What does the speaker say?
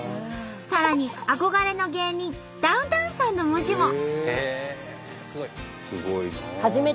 さらに憧れの芸人ダウンタウンさんの文字も。